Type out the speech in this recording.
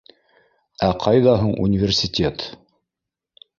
— Ә ҡайҙа һуң университет!